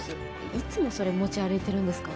いつもそれ持ち歩いてるんですか？